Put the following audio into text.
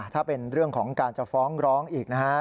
ถ้าเป็นเรื่องของการจะฟ้องร้องอีกนะฮะ